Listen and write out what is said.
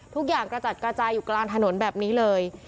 ทุกอย่างได้กระจัดกระจายอยู่กลางถนนแบบนี้เลย